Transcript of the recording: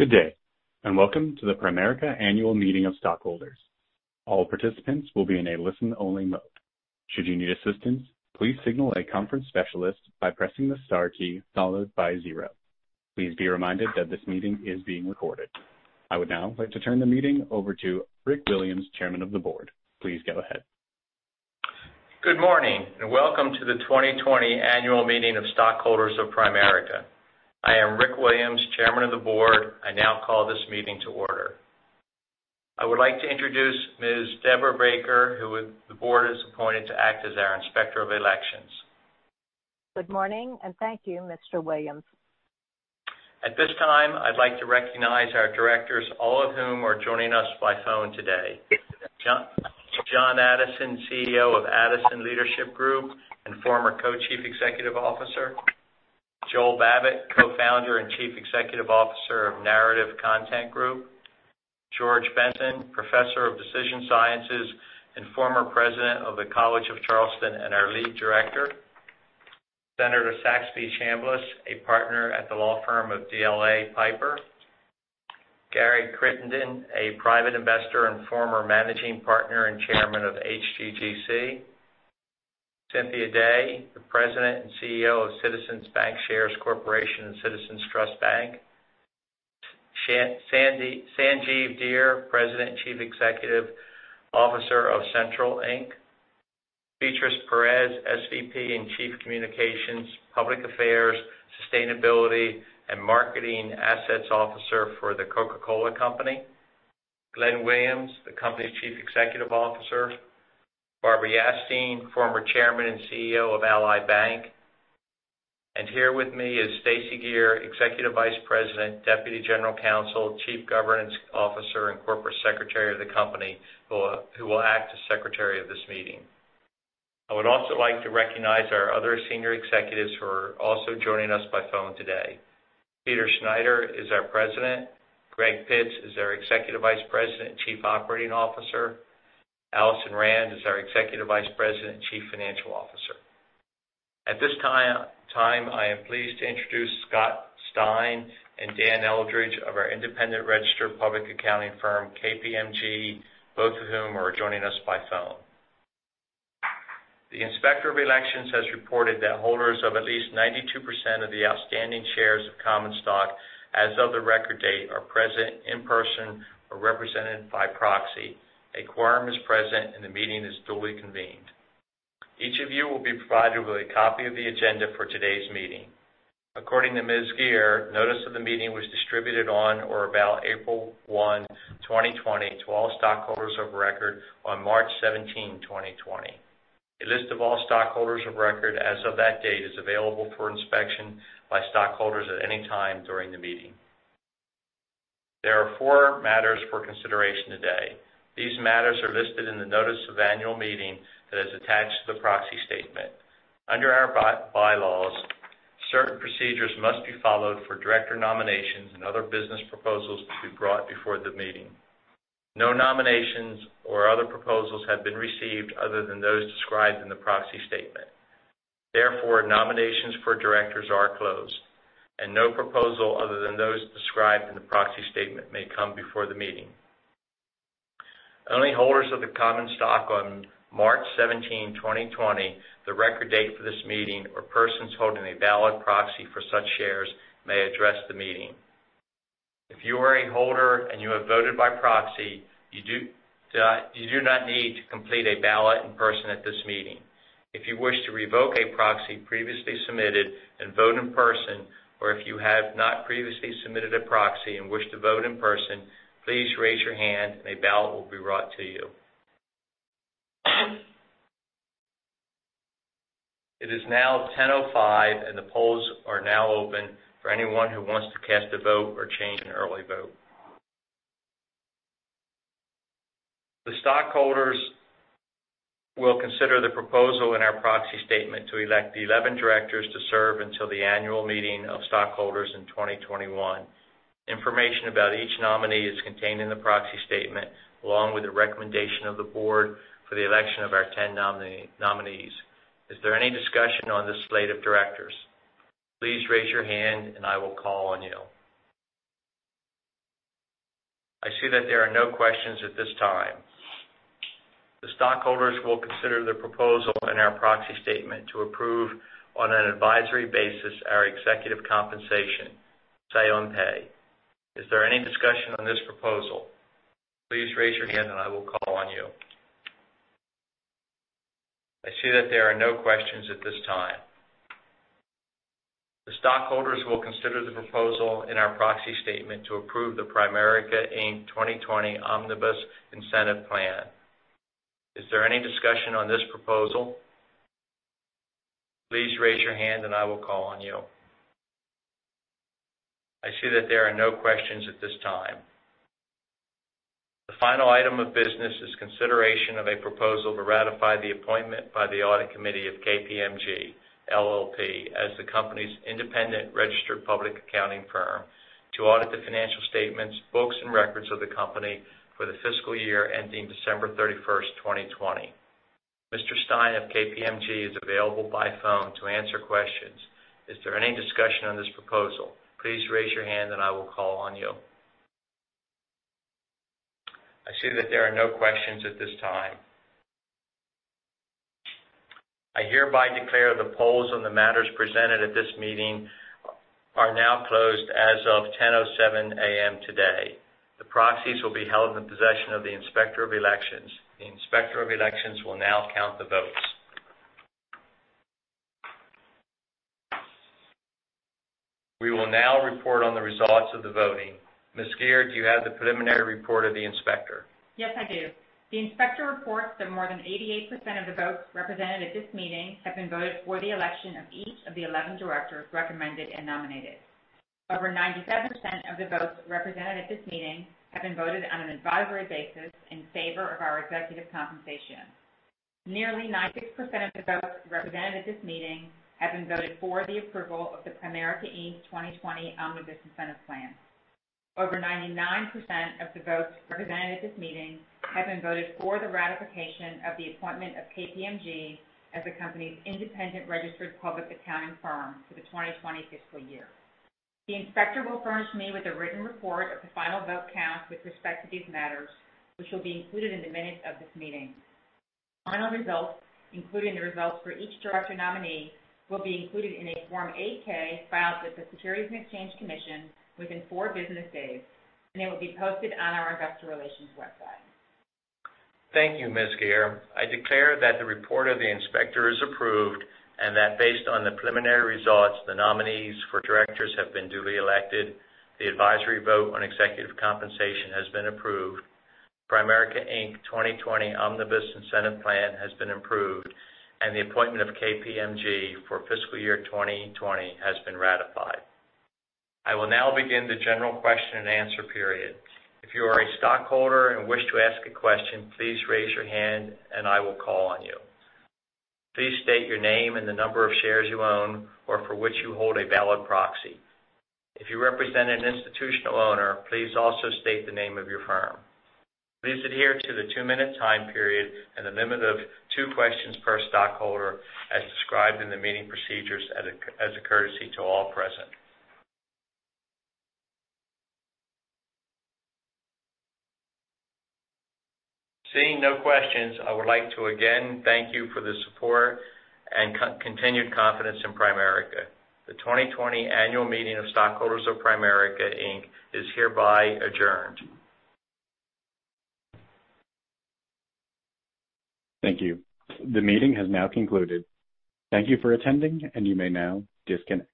Good day. Welcome to the Primerica Annual Meeting of Stockholders. All participants will be in a listen-only mode. Should you need assistance, please signal a conference specialist by pressing the star key followed by zero. Please be reminded that this meeting is being recorded. I would now like to turn the meeting over to Rick Williams, chairman of the board. Please go ahead. Good morning. Welcome to the 2020 annual meeting of stockholders of Primerica. I am Rick Williams, chairman of the board. I now call this meeting to order. I would like to introduce Ms. Deborah Baker, who the board has appointed to act as our Inspector of Elections. Good morning. Thank you, Mr. Williams. At this time, I'd like to recognize our directors, all of whom are joining us by phone today. John Addison, CEO of Addison Leadership Group and former co-chief executive officer. Joel Babbitt, co-founder and chief executive officer of Narrative Content Group. George Benson, professor of decision sciences and former president of the College of Charleston, and our lead director. Senator Saxby Chambliss, a partner at the law firm of DLA Piper. Gary Crittenden, a private investor and former managing partner and chairman of HGGC. Cynthia Day, the president and CEO of Citizens Bancshares Corporation and Citizens Trust Bank. Sanjiv Dhir, president and chief executive officer of CENTRL Inc. Beatriz Perez, SVP and chief communications, public affairs, sustainability, and marketing assets officer for The Coca-Cola Company. Glen Williams, the company's chief executive officer. Barbara Yastine, former chairman and CEO of Ally Bank. Here with me is Stacey Geer, Executive Vice President, Deputy General Counsel, Chief Governance Officer, and Corporate Secretary of the company, who will act as secretary of this meeting. I would also like to recognize our other senior executives who are also joining us by phone today. Peter Schneider is our President. Greg Pitts is our Executive Vice President and Chief Operating Officer. Alison Rand is our Executive Vice President and Chief Financial Officer. At this time, I am pleased to introduce Scott Stein and Dan Eldridge of our independent registered public accounting firm, KPMG, both of whom are joining us by phone. The Inspector of Elections has reported that holders of at least 92% of the outstanding shares of common stock as of the record date are present in person or represented by proxy. A quorum is present, and the meeting is duly convened. Each of you will be provided with a copy of the agenda for today's meeting. According to Ms. Geer, notice of the meeting was distributed on or about April 1, 2020, to all stockholders of record on March 17, 2020. A list of all stockholders of record as of that date is available for inspection by stockholders at any time during the meeting. There are four matters for consideration today. These matters are listed in the notice of annual meeting that is attached to the proxy statement. Under our bylaws, certain procedures must be followed for director nominations and other business proposals to be brought before the meeting. No nominations or other proposals have been received other than those described in the proxy statement. Nominations for directors are closed, and no proposal other than those described in the proxy statement may come before the meeting. Only holders of the common stock on March 17, 2020, the record date for this meeting, or persons holding a valid proxy for such shares, may address the meeting. If you are a holder and you have voted by proxy, you do not need to complete a ballot in person at this meeting. If you wish to revoke a proxy previously submitted and vote in person, or if you have not previously submitted a proxy and wish to vote in person, please raise your hand and a ballot will be brought to you. It is now 10:05 A.M., and the polls are now open for anyone who wants to cast a vote or change an early vote. The stockholders will consider the proposal in our proxy statement to elect the 11 directors to serve until the annual meeting of stockholders in 2021. Information about each nominee is contained in the proxy statement, along with the recommendation of the board for the election of our 10 nominees. Is there any discussion on the slate of directors? Please raise your hand, and I will call on you. I see that there are no questions at this time. The stockholders will consider the proposal in our proxy statement to approve, on an advisory basis, our executive compensation, say on pay. Is there any discussion on this proposal? Please raise your hand, and I will call on you. I see that there are no questions at this time. The stockholders will consider the proposal in our proxy statement to approve the Primerica, Inc. 2020 Omnibus Incentive Plan. Is there any discussion on this proposal? Please raise your hand, and I will call on you. I see that there are no questions at this time. The final item of business is consideration of a proposal to ratify the appointment by the Audit Committee of KPMG LLP as the company's independent registered public accounting firm to audit the financial statements, books, and records of the company for the fiscal year ending December 31st, 2020. Mr. Stein of KPMG is available by phone to answer questions. Is there any discussion on this proposal? Please raise your hand and I will call on you. I see that there are no questions at this time. I hereby declare the polls on the matters presented at this meeting are now closed as of 10:07 A.M. today. The proxies will be held in the possession of the Inspector of Elections. The Inspector of Elections will now count the votes. We will now report on the results of the voting. Ms. Geer, do you have the preliminary report of the Inspector? Yes, I do. The Inspector reports that more than 88% of the votes represented at this meeting have been voted for the election of each of the 11 directors recommended and nominated. Over 97% of the votes represented at this meeting have been voted on an advisory basis in favor of our executive compensation. Nearly 96% of the votes represented at this meeting have been voted for the approval of the Primerica, Inc. 2020 Omnibus Incentive Plan. Over 99% of the votes represented at this meeting have been voted for the ratification of the appointment of KPMG as the company's independent registered public accounting firm for the 2020 fiscal year. The Inspector will furnish me with a written report of the final vote count with respect to these matters, which will be included in the minutes of this meeting. Final results, including the results for each director nominee, will be included in a Form 8-K filed with the Securities and Exchange Commission within four business days, and it will be posted on our investor relations website. Thank you, Ms. Geer. I declare that the report of the Inspector is approved and that based on the preliminary results, the nominees for directors have been duly elected, the advisory vote on executive compensation has been approved, Primerica, Inc. 2020 Omnibus Incentive Plan has been approved, and the appointment of KPMG for fiscal year 2020 has been ratified. I will now begin the general question and answer period. If you are a stockholder and wish to ask a question, please raise your hand and I will call on you. Please state your name and the number of shares you own or for which you hold a valid proxy. If you represent an institutional owner, please also state the name of your firm. Please adhere to the two-minute time period and the limit of two questions per stockholder as described in the meeting procedures as a courtesy to all present. Seeing no questions, I would like to again thank you for the support and continued confidence in Primerica. The 2020 annual meeting of stockholders of Primerica Inc. is hereby adjourned. Thank you. The meeting has now concluded. Thank you for attending, and you may now disconnect.